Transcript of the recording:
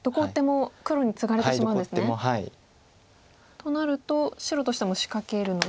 となると白としても仕掛けるのは難しい。